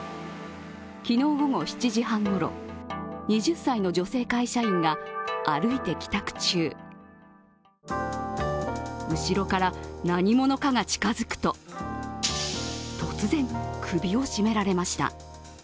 昨日午後７時半ごろ、２０歳の女性会社員が歩いて帰宅中、後ろから何者かが近づくと、突然、首を絞められました。